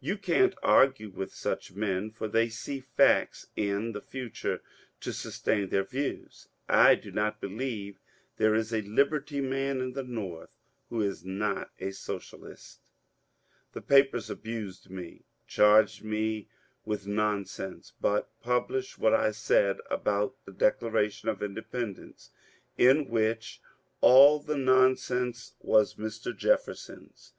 You can't argue with such men, for Uiey see facts in the future to sustain their views. I do not believe there is a Liberty man in the North who is not a Socialist. The papers abused me, charged me with nonsense, but pub lished what I said about the Declaration of Independence, in which all the nonsense was Mr. Jefferson's.